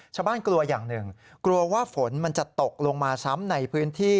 กลัวอย่างหนึ่งกลัวว่าฝนมันจะตกลงมาซ้ำในพื้นที่